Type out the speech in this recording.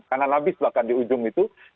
kanan abis bahkan di ujung itu